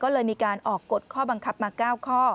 ก็เลยมีการออกกฎข้อบังคับมา๙ข้อ